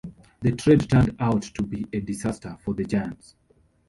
The trade turned out to be a disaster for the Giants.